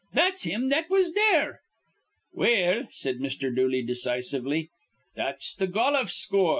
"That's thim that was there." "Well," said Mr. Dooley, decisively, "that's th' goluf scoor."